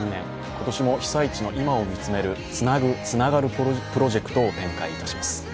今年も被災地の今を見つめる「つなぐ、つながるプロジェクト」を展開いたします。